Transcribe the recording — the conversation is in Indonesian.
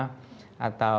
atau kemudian juga di rumah